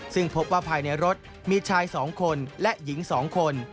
ซึ่งพบว่าภายในรถมีชาย๒คนและหญิง๒คน